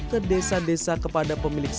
ke desa desa kepada pemilik